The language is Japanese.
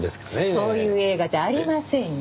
そういう映画じゃありませんよ。